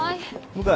向井